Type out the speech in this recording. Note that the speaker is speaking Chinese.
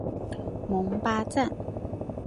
蒙巴赞。